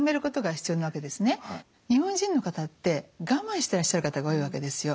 日本人の方って我慢してらっしゃる方が多いわけですよ。